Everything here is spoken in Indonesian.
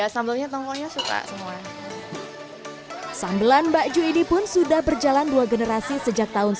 sambalnya tongkolnya suka semua sambelan mbak ju ini pun sudah berjalan dua generasi sejak tahun